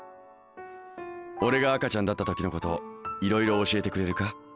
俺が赤ちゃんだった時のこといろいろ教えてくれるか？